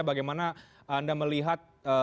karena anda melihat